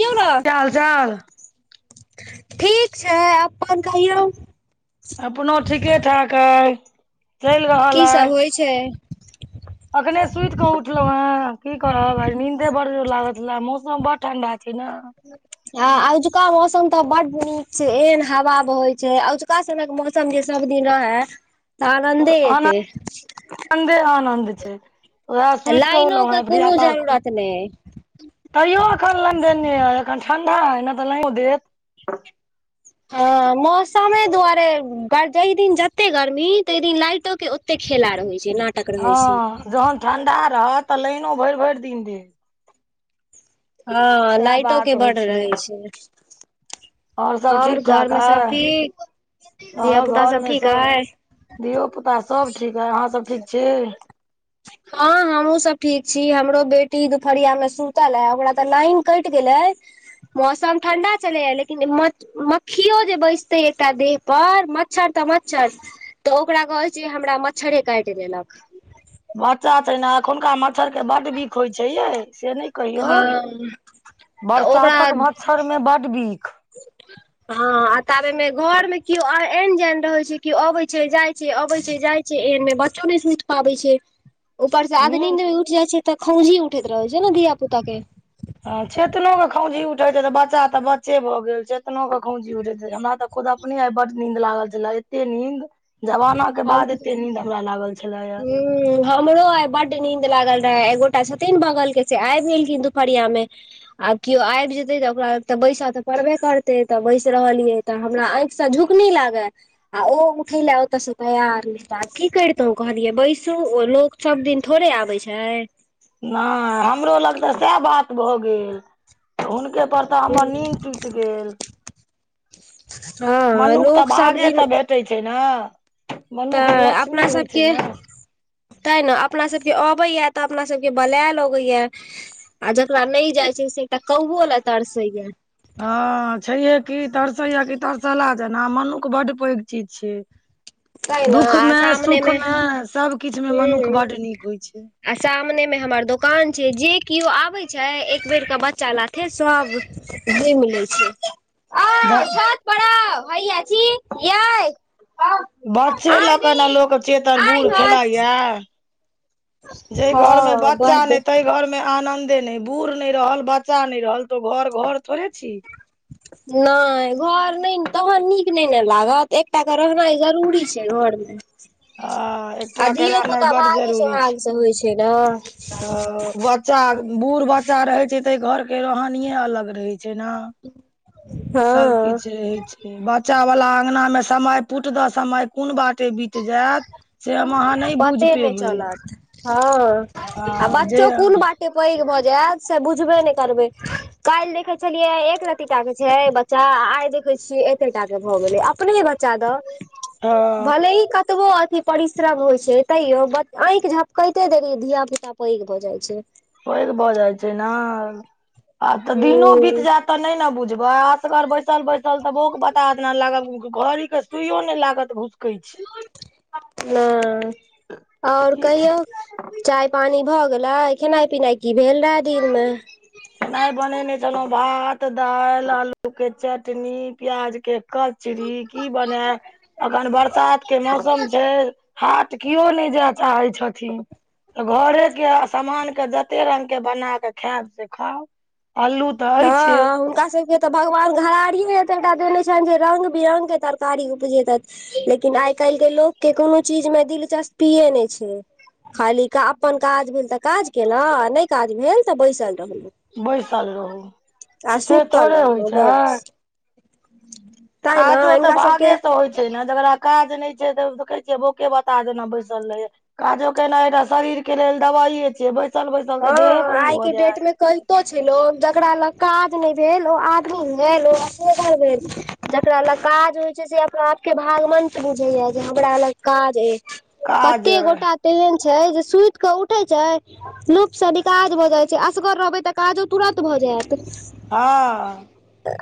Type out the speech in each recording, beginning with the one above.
यौ ने की हाल चाल? ठीक छै अपन कहियौ। अपनो ठीके ठाक अइ, चलि की रहल सब अइ। होइ छै। अखने सुति कऽ उठलहु हेँ की करब आइ नीन्दे बड़ जोर लागल छलै, मौसम बड़ ठंडा छै ने। आ अजुका मौसम तऽ बड नीक छै, एहन हवा बहै छै। अजुका सनक मौस सम जे सब दिन रहै तऽ आनंदे तैं। आनन्दे आनन्द छै उएह सुति कऽ लाइनो उठलहुँ के हेँ कोनो धियापुता के जरूरत नहि। तैयो एखन लाइन देने अय अखन ठंडा अय नै तऽ लाइनो देत। हं मौसमे दुआरे जहि दिन जते गर्मी तहि दिन लाइटो के ओत ते खेला रहइ छै ना हँ जहन ठंडा रहत तऽ लाइनो भरि भरि दिन देत। हँ सएह लाइटो के बात होइ बड रहै छै। सब आओर ठीक घर ठाक मे सब अइ ठीक, धियापुता सब ठीक अहि? धियोपुता सब ठीक अइ अहाँ सब ठीक छी। हँ हमहुँ सब ठीक छी, हमरो बेटी दुपहरिया में सुतल है ओकरा तऽ लाइन कटि गेलै मौसम ठंडा छलैयै लेकिन इ मच् मक्खियो जे बैसते एकटा देह पर मच्छर तऽ मच्छर तऽ ओकरा कहै छै हमरा मच्छरे काटि लेलक बच्चा छै ने एखुनका मच्छर के बड्ड बिष होइ छै यै से नहि कहियौ हँ तऽ ओकरा बरसातक मच्छर मे बड बिख। [inaudible] हँ आ ताबेमे घर में केओ एऐन जैन रहे छै केओ अबे छै जाय छै अबे छै जाय छै एहनमे बच्चो नहि सुइत पाबै छै। ऊपर से आ आध नीन नींद में उठि जाइ छै तऽ खौंजी उठैत रहै छै ने धिया पुता के। ह चेतनो के खौंजी उठै छै तऽ बच्चा तऽ बच्चे भऽ गेल चेतनोे के खौंजी उठैत रहै छै हमरा तऽ खुद अपने आइ बड नींद लागल छल एते नींद जमाना के बाद एते नींद हमरा लागल छलैयै हूम्म हमरो आइ बड्ड नीन्द लागल रहे एकगोटा छथिन बगल के से आबि गेलखिन दुपहरिया मे आब केओ आबि जेते तऽ ओकरा लग तऽ बैसऽ तऽ पड़बे करतै तऽ बैस रहलियै। तऽ हमरा आँखिस झुकनी लागै आ ओ उठय लै ओतयस तैयार नहि त आब की करितहुं कहलियै बैसू ओ लोक सब दिन थोड़े आबै छै। नहि हमरो लग तऽ सैह बात भऽ गेल। हुनके पर त हमर नींन टूटि गेल। हँऽ लोक सबदिन कटै छै न, मनुख लक्ष्मी होइ छै न। तांय ने अपना सबके अबैयैं, तऽ अपना सबके बलै लगैयैं। आ जकरा नहि जाइ छै, से एकटा कौओ ल तरसै यैं। हँ छैहे कि, तरसैया कि तरसला जेना, मनुख बड्ड पैघ चीज छियै। तै ने दुःखमे-सुखमे सब हम्म आ सामने में हमर दोकान छै, जे कियो आबै छै एक बेर के बच्चा लाथे सब [unintelligible] मिलै छै। दा आउ छत पर आऊ हैया छी, यैए आऊ बच्चे ल क ने लोक चेतन आइ बूढ़ खेलाय नच। यैंऽ। जै हँ घरमे बच्चा बड्ड नहि ता घर मे आनंदे नहि, बूढ़ नहि रहल बच्चा नहि रहल, त घर-घर थोड़े छी। नहि घर नहि तहन नीक नहि ने लागत, एक टा क रहनाइ जरूरी छै घरमे। आ आ एकटा के धियो रहनाइ पुता बड्ड भागे सोहाग स होइ छै न। हँ बच्चा बूढ़ बच्चा रहय छै, तय घर के रोहानिये अलग रहय छै नऽ। [unintelligible] हँ सबकिछ रहय छै। बच्चाावला अङगनामे समय पुट दऽ समय कोन बाटे बीत जैत पते नहि चलत, हँ आ बच्चो कोन बा टे पैघ भऽ जैत से बुझबे नहि करबै। काल्हि देखे छलियै, एक रति टा के छै बच्चा, आइ देखे छियै एते टा के भऽ गेलै अपने बच् चा दऽ हँ भले ही कतबो अ परिश्रम होइ छै, तैयो आँखि झपकैते देरी धिया पुता पैघ भऽ जाइ छै। पैघ भऽ जाइ छै नऽ, आब तऽ दिनो बीत हूँ जैत तऽ नहि न बुझबै, असगर बैसल-बैसल तऽ बौंक- बताह जेना लागब, घड़ी के सुइयो नहि लागत घूस नहि और कहियौ चाय पानी भऽ गेलै, खेनाइ-पिनाइ की भेल रहै दिनमे खेनाइ बनेने छलहुँ, भात, दालि, आलूके चटनी, प्याजके कचरी की बनै अखन बरसात के मौसम छै, हाट कियो नहि जाए चाहै छथिन। त घरेके समानके, जते रंगके बना कऽ खायब से खाउ अल्लू तऽ अइछे हँ हुनका सबके त भगवान घरारियो एतटा देने छैन जे, रंग बिरंग के तरकारी उपजेतैथ। लेकिन आइ काल्हिके लोकके, कोनो चीज मे दिलचस्पीए नहि छै। खाली अपन काज भेल तऽ काज केलहुँ, आ नहि काज भेल तऽ बैसल रहलौ। बैसल रहू। आ से सुतल थोड़े होइ रहलौं बस छै तैं ने काजो तऽ हिनका भागे सबके स होइ छै न जकरा काज नहि छै तऽ, देखय छियै बौंके-बताह जेना बैसल रहैयैं। काजो केनाइ एकटा शरीर के लेल दवाइए छै, बैसल- बैसल हँ तऽ देहे बहिर आइ भऽ के डेट जैत। मे कहितो छै लोक जकरा लग काज नहि भेल ओ आदमी भेल ओ अजेगर भेल। जकरा लग काज होइ छै से अपना आप के भागवंत बुझय यै जे हमरा लग काज अय। काज कते गोटा तेहन छै जे सुति कऽ उठै छै लूपसनी काज भऽ जाइ छै असगर रहबै तऽ काजो तुरत भऽ जायत। हँ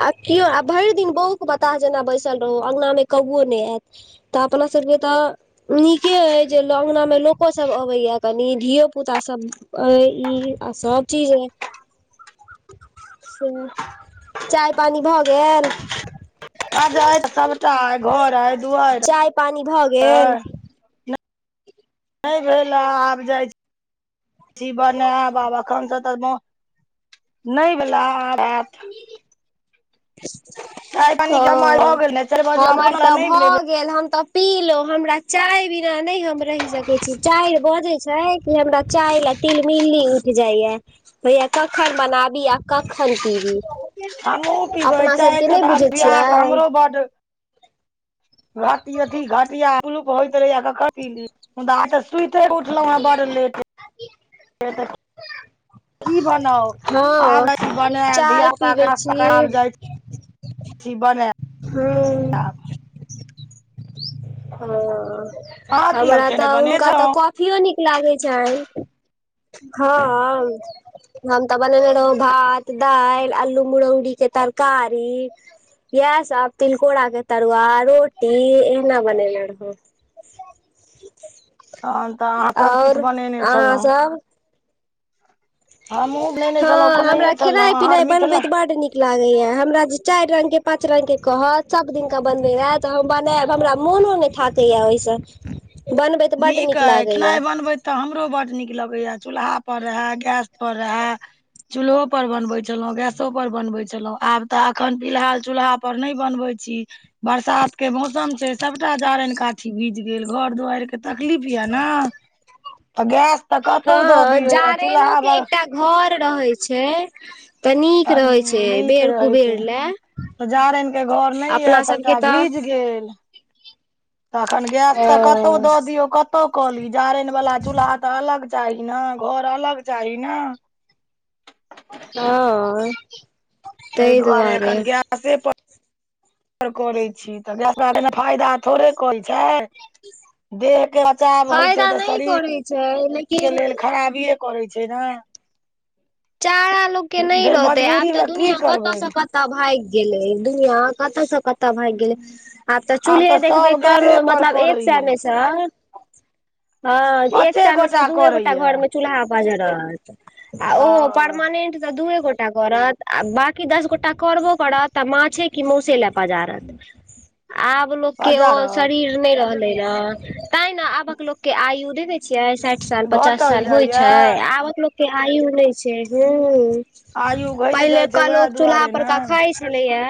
आ केओ आ भरि दिन बौक बताह जेना बैसल रहु अङ्गना मे कौओ नहि एत। तऽ अपना सब के तऽ नीके अइ जे लो अंगनामे लोको सभ अबैयै कनि धियो पुता सभ अय ई आ सब चीज अय। से चाय पानि भऽ गेल। अय अय सबटा अय घर अय दुआरि चाय पानी भऽ गेल अय नहि भेल ऐआब जाइ छी बनैब आब एखनसँ तऽ मौ नहि भेला आब आयत। चाय पानी के समय भऽ ओ गेल ने चारि बजे हमर अपना लए तऽ नहि बनेबै भऽ गेल। गेल हम तऽ पीलौ हमरा चाय बिना नै हम रहि सकै छी चाइर बजै छै कि हमरा चाय लै तिलमिल्ली उईठ जाइया। होईयै कखन बनाबी आ कखन पीबी। हमहु पिबै अपना सबके चायके नहि त बुझै अभ्यास छियै हमरो बड्ड घट अथी घटिया मुलूक होइत रहैया कखनि पी ली मुदा अस सुति के उठलहुँ हैं बड़ लेट की बनाउ आब हँ जाय छी बनैब धिया चाय पुता के पीबै नाश्ता छियै करैब जाइ छी जाय छी बनेब हूं। त आब हँ अहाँ की सब हमरा खेनाइ तऽ बनेने हुनका तऽ छलहुँ कॉफियो नीक लागै छैन हँअअ हम तऽ बननेे रहौं भात, दालि, अल्लू मुरौरीके तरकारी यैह सब तिलकोरा के तरुआ, रोटी एहीना बने तहन तऽ अहाँ सभकिछु और बनेने अहाँ छलहुँ सब हमहूँ बनेने छलहुँ हँ हमरा बनैने छलहुँ खेनाइ अहाँ पिनाइ मिथिला बनबैत बड नीक लागैयै हमरा जे चारि रंग के पाच रंग के कहत सब दिन क बनबै लै त हम बनायब हमरा मोनो ने थाकैए ओहिस बनबैत बड्ड नीक लागैयै। त हमरो बड नीक लगेयै चूल्हा पर रहै गैस पर रहै चूल्हो पर बनबै छलहुँ गैसो पर बनबै छलहुँ आब तऽ अखन फिलहाल चूल्हा पर नहि बनबै छी बरसात के मौसम छै सभटा जारनि काठी भीज गेल घर दुआरिक के तकलीफ यै ने आ गैस तऽ कतहु दऽ हँ दियौ आ जारैनो चू्ल्हा के एकटा घर रहै छै तऽ नीक रहै छै कनी नीक बेर रहै छै कुबेर लए। तऽ जारनि के घर नहि यए अपना सबके सभटा तऽ भीज गेल। तखन गैस ओ तऽ कतहु दऽ दियौ कत कतौ कली जारनि बला चूल्हा तऽ अलग चाही ने घर अलग चाही ने। हँ ताहि तहि दुआरे। एखन गैसे पर करै छी तऽ गैस बला खेनाइ फायदा थोड़े करै छै। देहके बचाव होइ फायदा छै तऽ नहि करै छै शरीरके लेकिन लेल खराबिए करै छै ने। चारा लोक के नहि ने रहतै आब मजबूरी तऽ मे की दुनिया कत करबै से कतऽ भागि गेलै, दुनिया कतऽसँ कतऽ भागि गेलै। आब तऽ चूल्हे देखबै, सब कोनो गैसे पर मतलब एक सौ करैये मे से हँ एक पाँचे सौ मे सँ गोटा दूए गोटा करैये घर मे चूल्हा पजरैत अछि। हँ परमानेंट तऽ दुए गोट टा करत आ बाकी दस गोटा करबो करत त माछे कि मौसे लै पजारत। आब लोकके ओ बजारत शरीर नहि रहले न, तैं ने आबक लोक के आयु देखै छियै साठि साल पचास घटल साल होइ जाइये छै आबक लोकके आयु नहि छै, हुं। आयु घटि जाइ छै पहिलका उएह लोक चूल्हा दुआरे पर ने का खाइ छलैये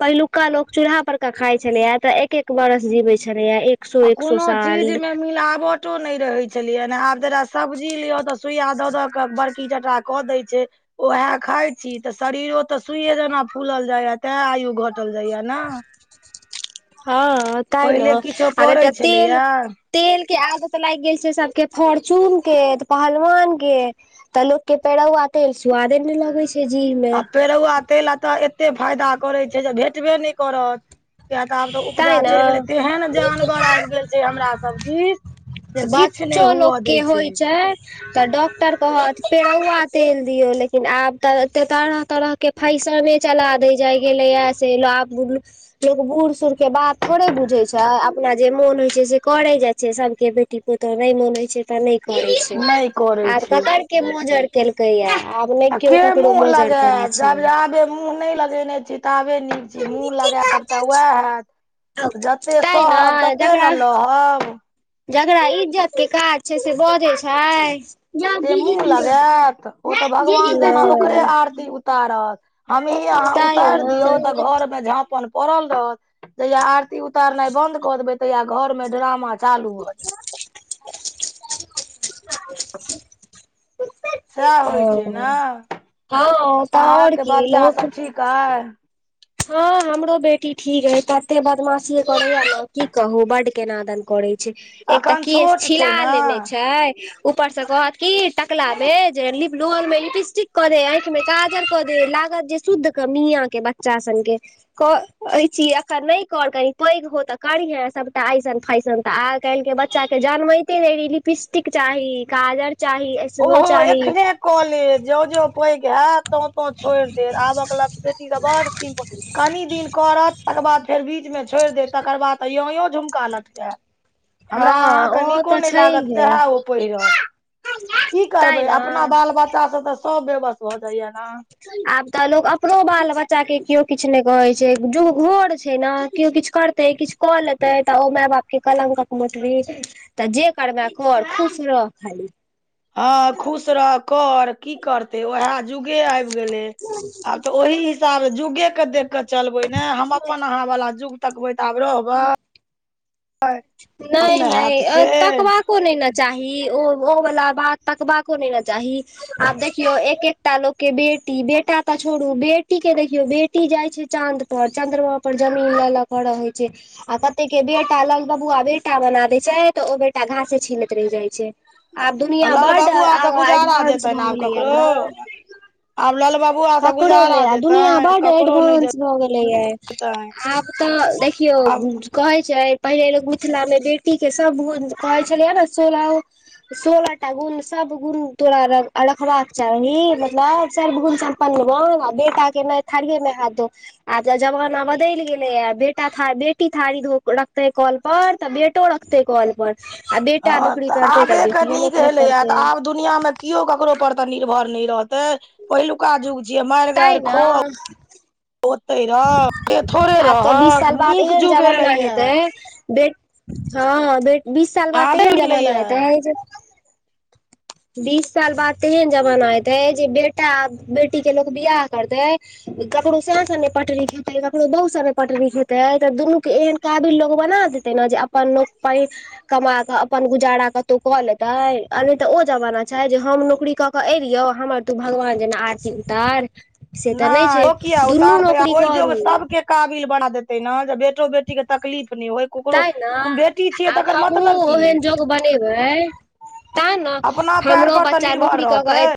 पहिलुका लोक चूल्हा पर के खाय छलैये तऽ एक एक बरस जीवै छलैए। आ कोनो चीज मे मिलावट तो नै रहै छलैये ने आब जे सब्जी लियऽ तऽ सुइया दऽ दऽ के बड़ की टटा कऽ दै छै। वैह खाय छी तऽ शरीरो तऽ सुइए जेना फूलल जायए तें आयु घट टल जाइये ने। हँ तै ने, पहिले किछो आ नै पड़ै ते तेल छलैया तेल के आग त लागि गेल छै सबके फोर्चून के पहलवान के तऽ लोक के पेड़ौआ तेल के स्वादे नै लगैत छै जीह में। आ पेरौआ तेल आ तऽ एते फायदा करैत छै जे भेटबे नै करत। किया तऽ आब तऽ तैं उपजा ने चलि गेलै तेहन जानवर आबि गेल छै हमरा सभ दिस। जे किछु बच्चो नहि लोक हुअ के दै होइ छै तऽ डॉक्टर कहत पेरौआ तेल दियौ लेकिन आब तऽ एते तरह तरह के फैशने चला दै जाय गेलैये से लाभ लोक बूढ़ सूढ़ के बात थोड़े बुझै छै अपना जे मोन होइ छै से करै जाइ छै सब के बेटी पोतहु नहि मोन छै तऽ नहि करे छै नहि करै आब छै ककर के मजर केलकैया आब नहि आ केओ के ककरो मुँह मोजर लगे, करै छै जब जाबे मुँह नहि लगेने छी ताबे नीक। मुँह लगायब तऽ वैह हैत, जते तै ने सहब तते ने जकरा लहब। जकरा इज्जत के काज छै से बजै छै। से मुूँह लागत, ओ तऽ भगवान जेना ओकरे आरती उतारत। हमही अहाँ तैं उतारि दियौ तऽ ने। घर मे झाँपन पड़ल रहत। जहिया आरती उतारनाइ बंद कऽ देबै तहिया घर मे ड्रामा चालू भ जायत। सैह होइ छै ओ ने, हँ तऽ आओर अहांके की बच्चा लोक सब ठीक अछि। हँ हमरो बेटी ठीक अछि तते बदमाशी करेये ने की कहू बड केनादन करैये। एक तऽ अखन केश छोट छिला छै ने लेने छै ऊपर से कहत की टकला मे लोल में लिपस्टिक क दे, आंखि में काजर क दे, लागत जे शुद्ध क मियां के बच्चा सनके कहैत छी एखन नहि कर कनि पैघ हेबे तऽ करीहे सभटा ऐसन फाैशन तऽ आइ काल्हिके बच्चा बच्चा सबके जनमैते देरी लिपस्टिक चाही, काजर चाही। ऐसनो ओहो चाही एखने क लेब, जं जं पैघ हैत तं तं छोड़ि देत आब के बेटी त बड सिम्पल कनि दिन करत तकर बाद फेर बीचमे छोड़ि देत तकर बाद यो यो झुमका लटकायत। हँ हमरा अहाँके ओ नीको तऽ नहि लागत छैहे सएह ओ पहिरत। की तैं करबै अपना न बाल बच्चा से तऽ सब बेवस भऽ जाइया ने? आब तऽ लोक अपनो बाल बच्चा के केओ किछु नहि कहैत छै, जो घोर छै ने केओ किछु करत ते किछु कऽ लेतै तऽ ओ माय बाप के कलक का के मटली तऽ जे करबै करर खुश रह खाली। हँ खुश रह कर। की करते वएह जुगे आबि गेलै आब तऽ ओहि हिसाबे जुगे के देखिककत चलबै ने हम अपन अहाँ वला जुग तकबै तऽ आब रहबै? नहि ने हैत नहि से तकवा को नहि ने चाही ओ ओ वालला बात तकबा को नहि ने चाही। आब देखियौ एक एकटा लोक के बेटी बेटा तऽ छोडु बेटी के देखियौ बेटी टी जाय छै चाँद पर, चंद्रमा पर जमीन ल ल के रहे छै आ कते के बेटा लग बबुआ बेटा बना देै छै तऽ ओ बेटा घास से छीलैत रहि जाइ छै। आब आ दुनिया लल बड़ बबुआ से आग गुजारा एडवानंस भऽ गेलै या ने? अब ललबाबु ककरो नै, दुनिया बडड नहि एडबंस भ गेलै ह, जेतनि आ तऽ देखियौ आब कहै छै पहिले लोक मिथिललामे बेटीके सभ गुण कहै छलियै ने सोलह सोलहटा गुण सब गुण तोरा रख रखबाक चाही मतलब सर्वगुण साम्प अपन [unintelligible] बेटा के नहि थारए मे हाथ दो आब ज जमाना बदलि गेले या, बेटा था बेटी थारी धख रखतेै कल पर तऽ बेटा बेटा रखतै कल पर, आ बेटा हँ नौकरी करतै तऽ बेटियो नौकरी करतै। दुनिया मे कियो ककरो पर निरभर नही रहते, पहलेका जुग जुग तैं मारिगार खो ने ओतहि रह थोड़े आ तऽ बीस रहत साल बाद नीक एहन जुग जमाना एलैए। हेतै बेट हँ बे बीस साल बाद ते जमाना गेलैया आय तै बीस साल बाद तेहन जमाना एयतै जे बेटा, बेटी के लोक बियाह करतै। ककरो संस ने पटरी हेते ककरो बहु स ने पटरी हेते आइ तऽ दुनू के एक काबिल लोक बना देतै ने जे अपन लोक [unintelligible] कमा कऽ अपन गुजारा कतौ कऽ लेतै, आ नहि तऽ ओ जमाना चाही जे हम नौकरी कऽ के एलियौ हमर तू भगवान जेना आरती उतार। से न तऽ नहि छै ओ किया दुनू उतारते नौकरी ओहि जो करू सबके काबिल बना देते न। जे बेटो बेटी के तकलीफ नहि हो ककरो तैं ने बेटी छियै, आब तकर हमहूँ मतलब की? ओहन जोग बनेबै तैं ने अपना पैर हमरो पर तऽ बच्चा निर्भर नौकरी कऽ रहतै। कऽ